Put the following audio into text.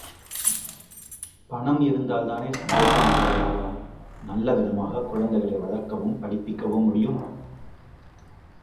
பணம் இருந்தால்தானே சந்தோஷமாக வாழலாம், நல்லவிதமாகக் குழந்தைகளை வளர்க்கவும் படிப்பிக்கவும் முடியும்?